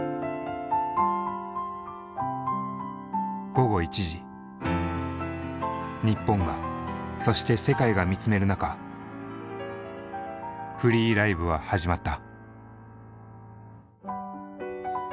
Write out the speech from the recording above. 午後１時日本がそして世界が見つめる中「“Ｆｒｅｅ”Ｌｉｖｅ」は始まった。